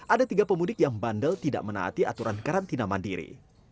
ada tiga pemudik yang bandel tidak menaati aturan karantina mandiri